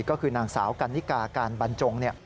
ก็คือนางสาวกันนิกาการบรรจง